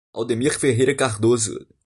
Aldemir Ferreira Cardoso